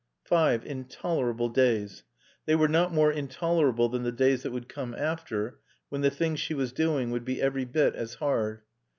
Five intolerable days. They were not more intolerable than the days that would come after, when the thing she was doing would be every bit as hard.